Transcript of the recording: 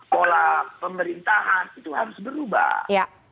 pola pemerintahan itu harus berubah